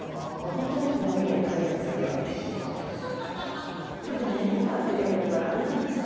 ホントに持ってないぐらい軽いじゃないですかビワって。